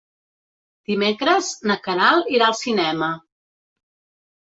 Dimecres na Queralt irà al cinema.